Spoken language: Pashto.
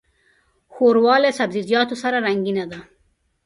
ښوروا له سبزيجاتو سره رنګینه ده.